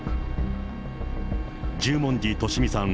十文字利美さん